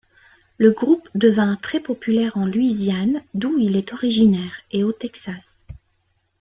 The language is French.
Le groupe devint très populaire en Louisiane, d'où il est originaire, et au Texas.